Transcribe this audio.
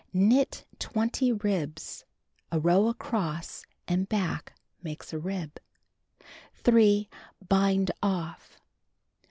Knit 20 ribs (a row across and back makes a rib) 3. Bind off.